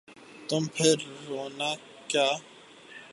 تو پھر رونا کیا؟